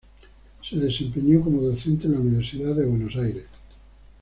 Se desempeñó como docente en la Universidad de Buenos Aires.